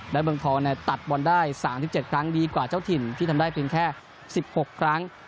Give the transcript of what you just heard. และเมืองทองตัดบอลได้๓๗ครั้งดีกว่าเจ้าถิ่นที่ทำได้เพียงแค่๑๖ครั้ง